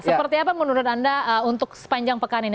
seperti apa menurut anda untuk sepanjang pekan ini